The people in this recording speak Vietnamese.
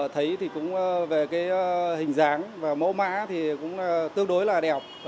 thấy thì cũng về cái hình dáng và mẫu mã thì cũng tương đối là đẹp